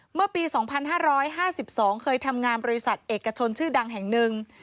เมื่อปี๒๕๕๒เคยทำงานบริษัทเอกชนชื่อดังแห่งหนึ่ง